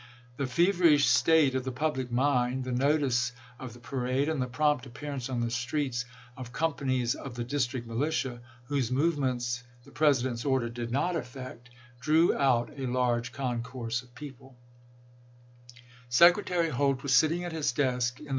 The fever ish state of the public mind, the notice of the pa rade, and the prompt appearance on the streets of companies of the District militia, whose movements the President's order did not affect, drew out a large concourse of people. THE NATIONAL DEFENSE 151 Secretary Holt was sitting at his desk in the chap.